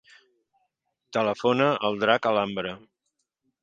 Telefona al Drac Alhambra.